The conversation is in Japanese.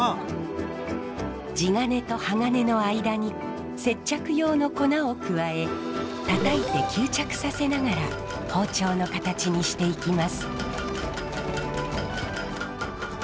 地金と刃金の間に接着用の粉を加え叩いて吸着させながら包丁の形にしていきます。